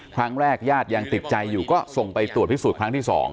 ครั้งแรกญาติยังติดใจอยู่ก็ส่งไปตรวจพิสูจน์ครั้งที่สอง